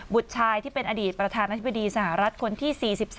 ชายที่เป็นอดีตประธานาธิบดีสหรัฐคนที่๔๓